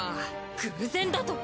偶然だと？